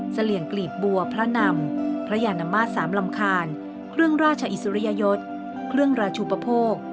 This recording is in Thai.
เหลี่ยงกลีบบัวพระนำพระยานมาตรสามลำคาญเครื่องราชอิสริยยศเครื่องราชุปโภค